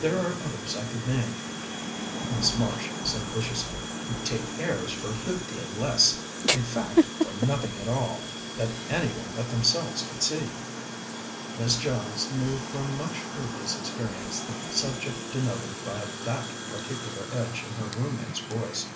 There are others I could name," Miss Marsh said viciously, "who take airs for a good deal less in fact, for nothing at all, that any one but themselves can see." Miss Jones knew from much previous experience the subject denoted by that particular edge in her room mate's voice.